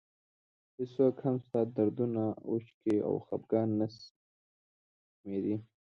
هېڅوک هم ستا دردونه اوښکې او خفګان نه شمېري.